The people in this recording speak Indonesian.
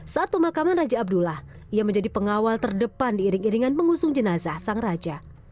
saat pemakaman raja abdullah ia menjadi pengawal terdepan diiring iringan mengusung jenazah sang raja